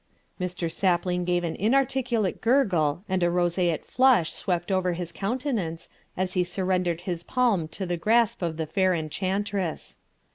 Mr. Sapling gave an inarticulate gurgle and a roseate flush swept over his countenance as he surrendered his palm to the grasp of the fair enchantress.